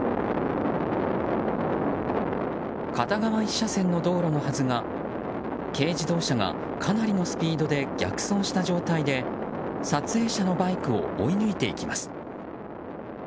片側１車線の道路のはずが軽自動車がかなりのスピードで逆走した状態で撮影者のバイクを追い抜いていきます。